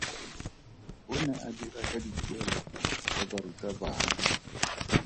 O ne a dira ka dituelo tsa barutabana.